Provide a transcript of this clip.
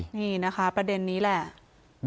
นี่นะคะประเด็นนี้แหละ